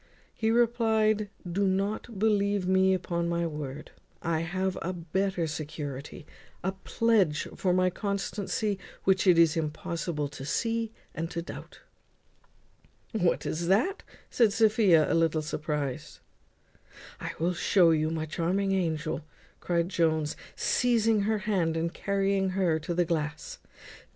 He replied, "Don't believe me upon my word; I have a better security, a pledge for my constancy, which it is impossible to see and to doubt." "What is that?" said Sophia, a little surprized. "I will show you, my charming angel," cried Jones, seizing her hand and carrying her to the glass.